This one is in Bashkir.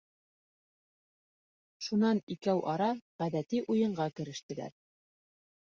Шунан икәү-ара ғәҙәти уйынға керештеләр.